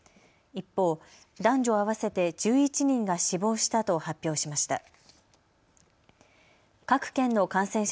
一方、男女合わせて１１人が死亡したと発表しました。